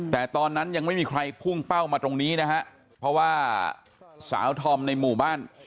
แต่ตอนนั้นยังไม่มีใครพุ่งเป้ามาตรงนี้นะฮะเพราะว่าสาวธอมในหมู่บ้าน